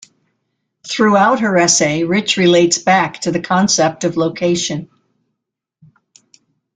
Throughout her essay, Rich relates back to the concept of location.